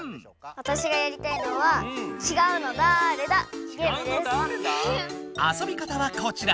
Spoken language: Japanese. わたしがやりたいのはあそび方はこちら！